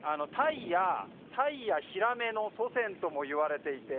タイやヒラメの祖先とも言われていて。